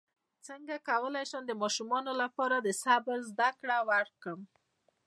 څنګه کولی شم د ماشومانو لپاره د صبر زدکړه ورکړم